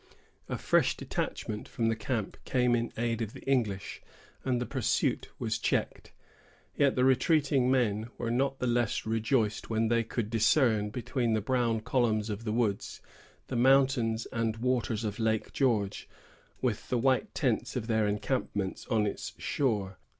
A fresh detachment from the camp came in aid of the English, and the pursuit was checked. Yet the retreating men were not the less rejoiced when they could discern, between the brown columns of the woods, the mountains and waters of Lake George, with the white tents of their encampments on its shore.